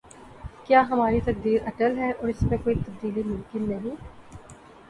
کیا ہماری تقدیر اٹل ہے اور اس میں کوئی تبدیلی ممکن نہیں؟